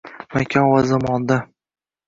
makon va zamonda